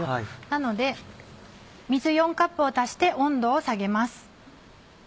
なので水４カップを足して温度を下げます。